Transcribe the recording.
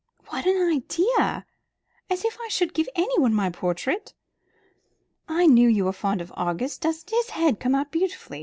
"What an idea! As if I should give anyone my portrait. I knew you were fond of Argus. Doesn't his head come out beautifully?